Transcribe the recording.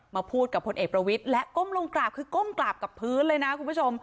พูดกับพลเอกประวิทย์และก้มลงกราบคือก้มกราบกับพื้นเลยนะคุณผู้ชม